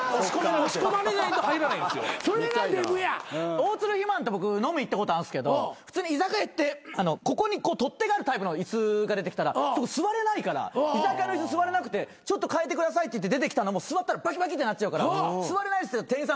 大鶴肥満と僕飲み行ったことあるんですけど普通に居酒屋行ってここに取っ手があるタイプの椅子が出てきたら座れないから居酒屋の椅子座れなくてちょっとかえてくださいって出てきたのも座ったらバキバキってなっちゃうから座れない店員さん